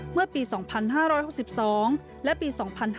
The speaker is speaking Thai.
เมื่อปี๒๕๖๒และปี๒๕๕๙